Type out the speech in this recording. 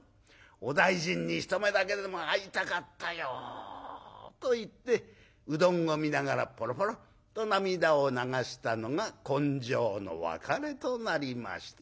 お大尽に一目だけでも会いたかったよと言ってうどんを見ながらポロポロッと涙を流したのが今生の別れとなりました』